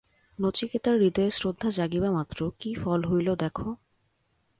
নচিকেতার হৃদয়ে শ্রদ্ধা জাগিবামাত্র কি ফল হইল, দেখ।